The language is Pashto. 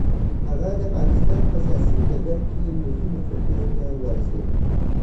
هغه د پاکستان په سیاسي ډګر کې مهمو څوکیو ته ورسېد.